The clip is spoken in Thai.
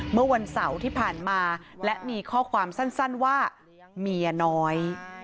เมื่อวันเสาร์ที่ผ่านมาและมีข้อความสั้นว่าเมียน้อย